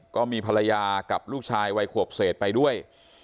ก็มีภรรยากับลูกชายวัยขวบเศษไปด้วย